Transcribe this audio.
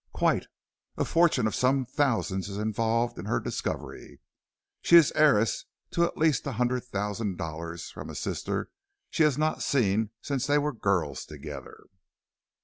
"Quite; a fortune of some thousands is involved in her discovery. She is heiress to at least a hundred thousand dollars from a sister she has not seen since they were girls together."